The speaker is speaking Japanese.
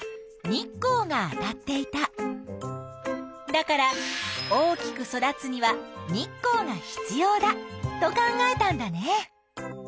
だから大きく育つには日光が必要だと考えたんだね。